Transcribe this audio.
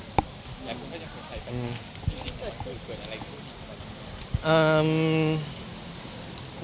อยากขอให้คุยใส่แต่ที่แค่หนึ่งแต่เกิดอะไรต่างถึง